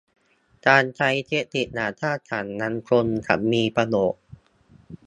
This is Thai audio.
การใช้เทคนิคอย่างสร้างสรรค์ยังคงจะมีประโยชน์